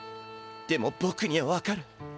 でもぼくには分かる。